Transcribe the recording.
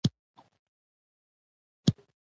سيدجمال الدين افغان یو نابغه وه